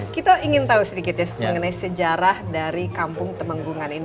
kita ingin tahu sedikit ya mengenai sejarah dari kampung temenggungan ini